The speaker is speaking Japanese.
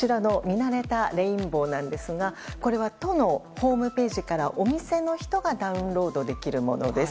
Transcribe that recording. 慣れたレインボーなんですがこれは都のホームページからお店の人がダウンロードできるものです。